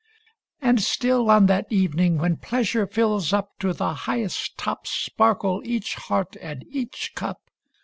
And still on that evening, when pleasure fills up ID To the highest top sparkle each heart and each cup.